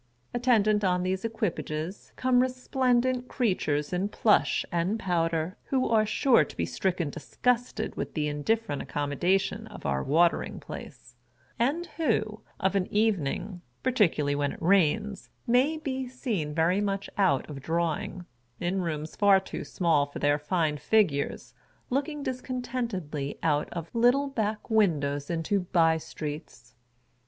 Attendant on these equipages come resplendent creatures in plush and powder, who are sure to be stricken dis gusted with the indifferent accommodation of our Watering Place, and who, of an evening (particularly when it rains), may be seen very much out of drawing, in rooms far too small for their fine figures, looking discontentedly out of little back windows into bye streets.